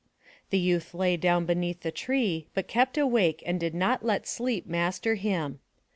The youth lay down beneath the tree, but kept awake and did not let sleep master him.